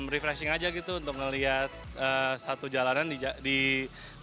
refreshing saja gitu untuk melihat satu jalanan di bandung